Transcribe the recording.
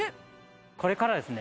これからですね。